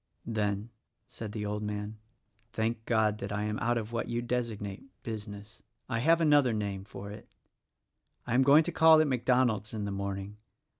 "Then," said the old man, "thank God that I am out of what you designate Business. I have another name for it. I am going to call at MacDonald's in the morning.